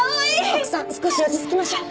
奥さん少し落ち着きましょう。